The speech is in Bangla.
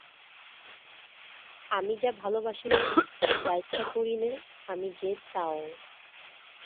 আমি যা ভালোবাসি নে, যা ইচ্ছা করি নে, আমি যে তাও।